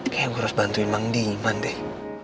kayaknya gue harus bantuin mang diman deh